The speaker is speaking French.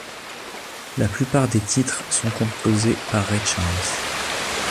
La plupart des titres sont composés par Ray Charles.